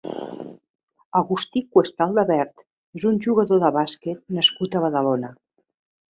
Agustí Cuesta Aldavert és un jugador de bàsquet nascut a Badalona.